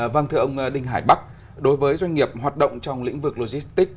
vâng thưa ông đinh hải bắc đối với doanh nghiệp hoạt động trong lĩnh vực logistics